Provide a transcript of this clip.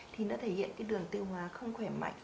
thì nó thể hiện cái đường tiêu hóa không khỏe mạnh